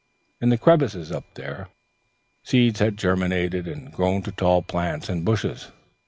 In the crevices up there, seeds had germinated and grown to tall plants and bushes.